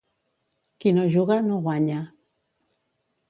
Qui no juga, no guanya.